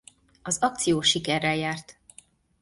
Az akció sikerrel járt.